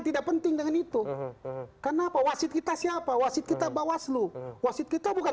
tidak penting dengan itu karena apa wasit kita siapa wasit kita bawas lu wasit kita bukan